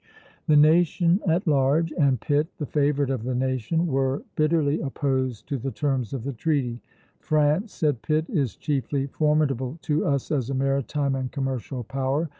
The nation at large and Pitt, the favorite of the nation, were bitterly opposed to the terms of the treaty. "France," said Pitt, "is chiefly formidable to us as a maritime and commercial power.